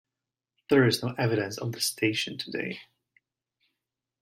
There is no evidence of the station today.